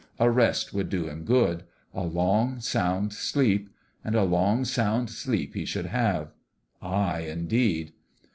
A rest would do him good a long, sound sleep. And a long, sound sleep he should have ! Ay, indeed